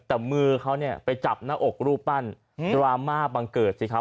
แต่มือเขาเนี่ยไปจับหน้าอกรูปปั้นดราม่าบังเกิดสิครับ